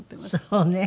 そうね。